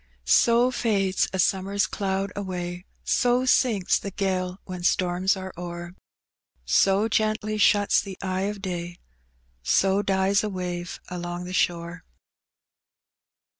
So fades a Bummer's cloud away, So sinks the £^le when storms are o'er, So gently shnts the eye of day, So dies a wave along the shore.